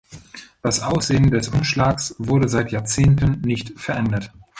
Das Aussehen des Umschlags wurde seit Jahrzehnten nicht verändert.